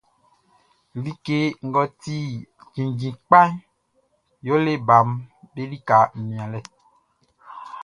Like ngʼɔ ti kinndjin kpaʼn yɛle baʼm be lika nianlɛʼn.